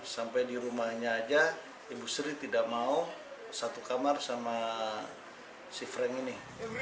sampai di rumahnya aja ibu sri tidak mau satu kamar sama si frank ini